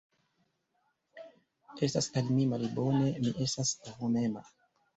Estas al mi malbone, mi estas vomema.